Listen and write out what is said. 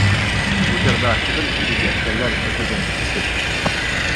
بۇ چاغدا سېپىل ئۈستىدىكى ئەسكەرلەر سېپىلدىن چۈشۈپ كەتتى.